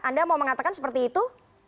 anda mau mengatakan seperti itu